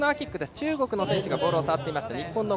中国の選手がボールを触っていました。